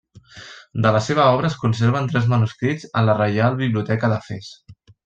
De la seva obra es conserven tres manuscrits en la Reial Biblioteca de Fes.